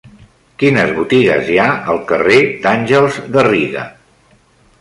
Quines botigues hi ha al carrer d'Àngels Garriga?